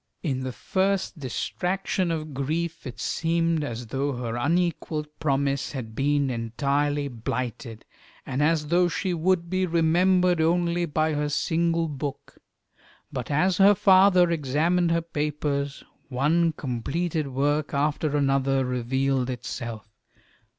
In the first distraction of grief it seemed as though her unequalled promise had been entirely blighted, and as though she would be remembered only by her single book. But as her father examined her papers, one completed work after another revealed itself.